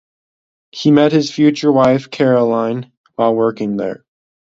He met his future wife Carolyn while working there.